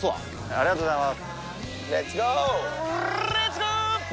ありがとうございます。